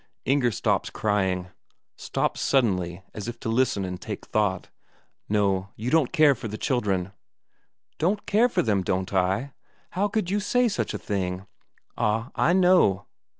Inger stops crying; stops suddenly as if to listen and take thought. "No, you don't care for the children." "Don't care for them, don't I? How could you say such a thing?" "Ah, I know...."